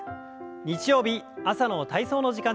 日曜日朝の体操の時間です。